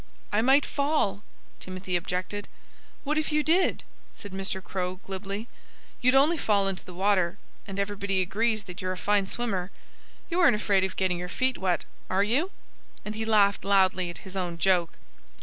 "I might fall," Timothy objected. "What if you did?" said Mr. Crow glibly. "You'd only fall into the water. And everybody agrees that you're a fine swimmer.... You aren't afraid of getting your feet wet, are you?" And he laughed loudly at his own joke.